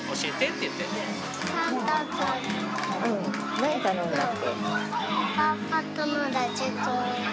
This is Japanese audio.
何頼んだっけ？